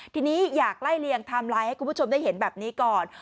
ทีนี้อยากไล่เลี่ยงไทม์ไลน์ให้คุณผู้ชมได้เห็นแบบนี้ก่อน